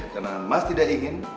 karena mas tidak ingin